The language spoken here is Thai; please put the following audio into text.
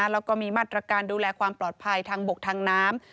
แล้วก็มีมาตรการดูแลความปลอดภัยทางบกทางน้ำ